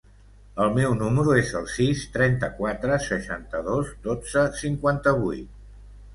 El meu número es el sis, trenta-quatre, seixanta-dos, dotze, cinquanta-vuit.